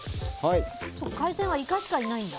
海鮮はイカしかいないんだ。